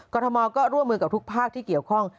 ทมก็ร่วมมือกับทุกภาคที่เกี่ยวข้อง